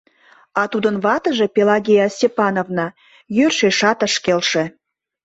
А тудын ватыже, Пелагея Степановна, йӧршешат ыш келше.